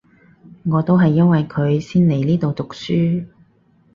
我都係因為佢先嚟呢度讀書